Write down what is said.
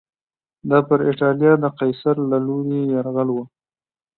دا پر اېټالیا د قیصر له لوري یرغل و